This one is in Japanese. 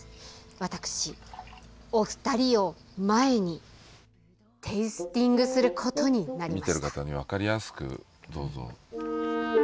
私、お二人を前にテイスティングすることになりました。